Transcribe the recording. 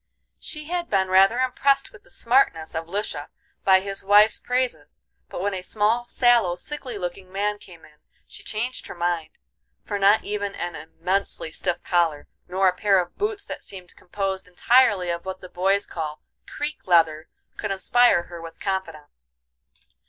She had been rather impressed with the "smartness" of Lisha by his wife's praises, but when a small, sallow, sickly looking man came in she changed her mind; for not even an immensely stiff collar, nor a pair of boots that seemed composed entirely of what the boys call "creak leather," could inspire her with confidence.